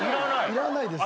いらないです。